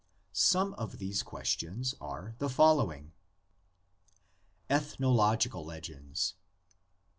Some of these questions are the following: ETHNOLOGICAL LEGENDS.